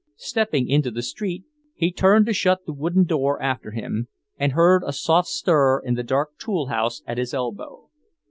Stepping into the street, he turned to shut the wooden door after him, and heard a soft stir in the dark tool house at his elbow.